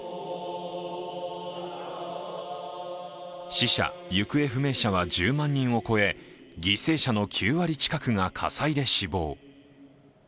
死者・行方不明者は１０万人を超え犠牲者の９割近くが火災で死亡。